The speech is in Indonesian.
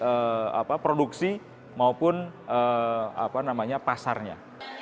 perluas akses baik produksi maupun pasarnya